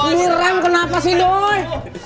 direm kenapa sih doi